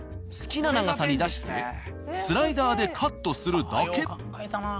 好きな長さに出してスライダーでカットするだけ。